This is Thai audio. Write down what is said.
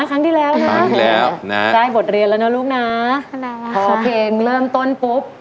ครั้งที่แล้วค่ะครั้งที่แล้วนะได้บทเรียนแล้วนะลูกนะพอเพลงเริ่มต้นปุ๊บ